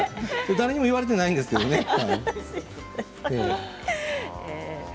誰にも言われていないんですけどね。